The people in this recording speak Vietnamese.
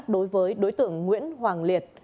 đối với đối tượng nguyễn hoàng liệt